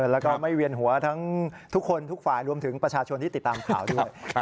แล้วก็ไม่เวียนหัวทั้งทุกคนทุกฝ่ายรวมถึงประชาชนที่ติดตามข่าวด้วย